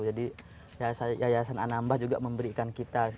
jadi yayasan anambas juga memberikan kita